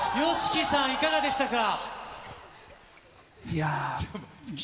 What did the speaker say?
ＹＯＳＨＩＫＩさん、いかがでしいやー。